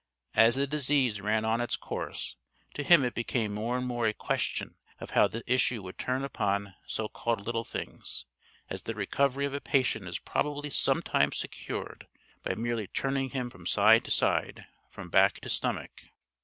As the disease ran on in its course, to him it became more and more a question of how the issue would turn upon so called little things, as the recovery of a patient is probably sometimes secured by merely turning him from side to side, from back to stomach.